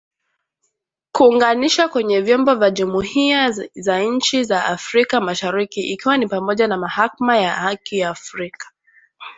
Kunganishwa kwenye vyombo vya jumuhiya za inchi za Afrika mashariki ikiwa ni pamoja na Mahakama ya Haki ya Afrika